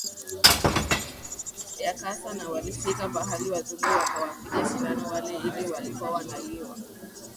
ya kasa Na walifika pahali wazungu wakawapiga sindano wale ili walikuwa wanaliwa